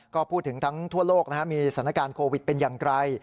ก็พูดถึงทั้งทั่วโลกมีสถานการณ์โควิดเป็นอย่างไร